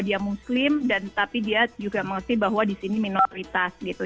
dia muslim dan tapi dia juga mengerti bahwa di sini minoritas gitu